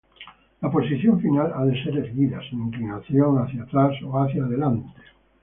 La posición final ha de ser erguida, sin inclinación hacia atrás o hacia delante.